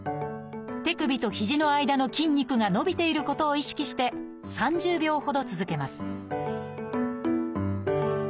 手首と肘の間の筋肉が伸びていることを意識して３０秒ほど続けます